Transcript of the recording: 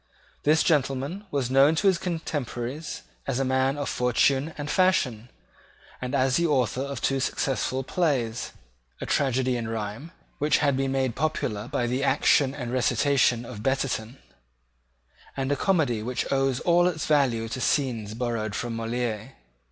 This gentleman was known to his contemporaries as a man of fortune and fashion, and as the author of two successful plays, a tragedy in rhyme which had been made popular by the action and recitation of Betterton, and a comedy which owes all its value to scenes borrowed from Moliere.